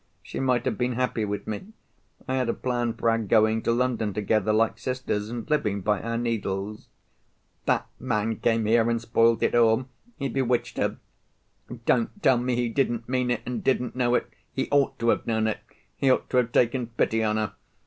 She might have been happy with me. I had a plan for our going to London together like sisters, and living by our needles. That man came here, and spoilt it all. He bewitched her. Don't tell me he didn't mean it, and didn't know it. He ought to have known it. He ought to have taken pity on her.